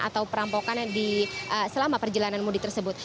atau perampokan selama perjalanan mudik tersebut